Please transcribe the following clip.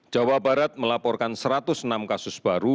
jawa barat melaporkan satu ratus enam kasus baru